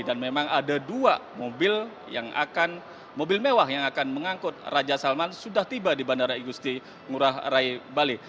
dan memang ada dua mobil mewah yang akan mengangkut raja salman sudah tiba di bandara igusti ngurah rai bali